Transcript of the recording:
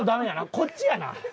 こっちやな。